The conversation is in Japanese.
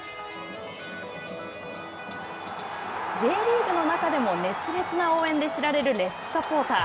Ｊリーグの中でも熱烈な応援で知られるレッズサポーター。